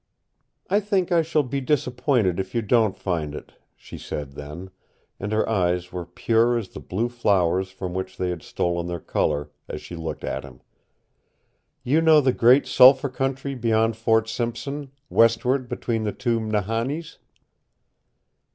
"I think I shall be disappointed if you don't find it," she said then, and her eyes were pure as the blue flowers from which they had stolen their color, as she looked at him. "You know the great Sulphur Country beyond Fort Simpson, westward between the Two Nahannis?"